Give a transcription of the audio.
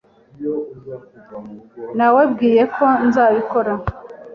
Nawebwiye ko nzabikora.